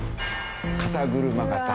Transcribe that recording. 肩車型。